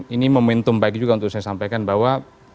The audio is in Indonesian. ini momentum baik juga untuk saya sampaikan bahwa